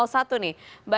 bara itu dia